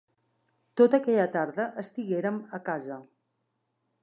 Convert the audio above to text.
Tota aquella tarda estiguérem a casa.